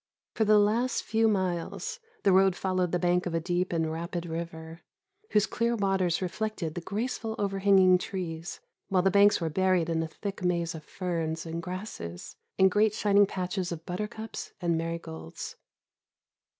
For the last few miles, the road followed the bank of a deep and rapid river, whose clear waters reflected the graceful overhanging trees, while the banks were buried in a thick maze of ferns and grasses, and great shining patches of buttercups and marigolds.